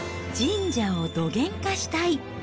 神社をどげんかしたい。